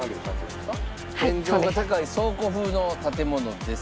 天井が高い倉庫風の建物です。